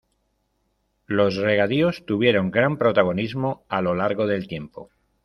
Los regadíos tuvieron gran protagonismo a lo largo del tiempo.